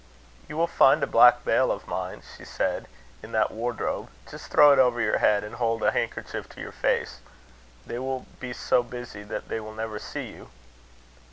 "You will find a black veil of mine," she said, "in that wardrobe just throw it over your head, and hold a handkerchief to your face. They will be so busy that they will never see you."